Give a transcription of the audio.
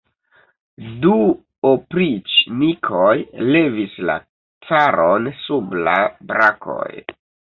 Du opriĉnikoj levis la caron sub la brakoj.